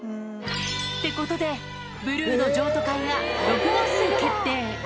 ってことで、ブルーの譲渡会が６月に決定。